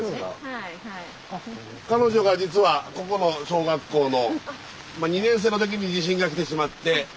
彼女が実はここの小学校の２年生の時に地震が来てしまって。